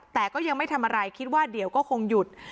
แต่ก็ยังไม่ทำอะไรคิดว่าเดี๋ยวก็คงหยุด